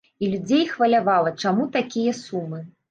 І людзей хвалявала, чаму такія сумы.